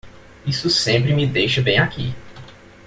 Isso sempre me deixa bem aqui.